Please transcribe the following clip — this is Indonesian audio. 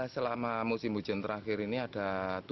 selama musim hujan terakhir ini ada